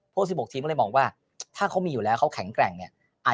พวก๑๖ทีมก็เลยมองว่าถ้าเขามีอยู่แล้วเขาแข็งแกร่งเนี่ย